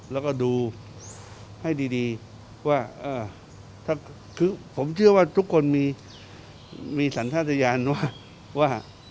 แล้วก็ดูให้ดีว่าคือผมเชื่อว่าทุกคนมีสัญชาติยานว่า